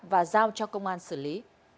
và giao cho công an xử lý